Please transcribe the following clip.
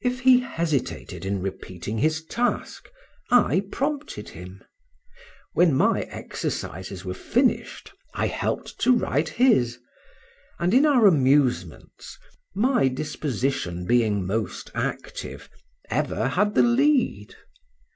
If he hesitated in repeating his task, I prompted him; when my exercises were finished, I helped to write his; and, in our amusements, my disposition being most active, ever had the lead.